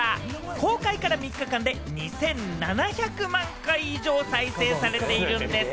公開から３日間で２７００万回以上、再生されているんです。